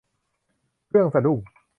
เครื่องสะดุ้ง